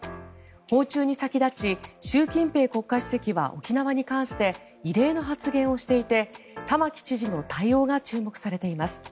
訪中に先立ち習近平国家主席は沖縄に関して異例の発言をしていて玉城知事の対応が注目されています。